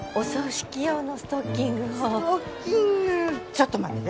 ちょっと待ってて。